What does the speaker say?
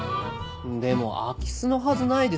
でも空き巣のはずないですよね。